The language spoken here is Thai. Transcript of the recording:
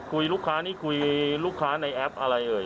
ลูกค้านี่คุยลูกค้าในแอปอะไรเอ่ย